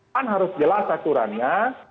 kan harus jelas aturannya